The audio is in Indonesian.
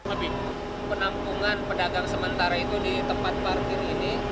api penampungan pedagang sementara itu di tempat partir ini